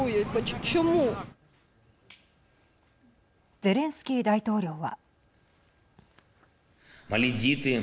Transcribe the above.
ゼレンスキー大統領は。